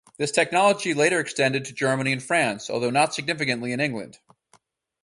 This technology later extended to Germany and France, although not significantly in England.